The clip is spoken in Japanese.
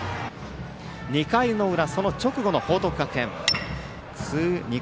２回の表、その直後の報徳学園。